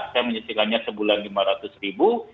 saya menyisikannya sebulan lima ratus ribu